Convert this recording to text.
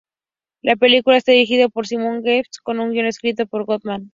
La película está dirigida por Simon West con un guion escrito por Goldman.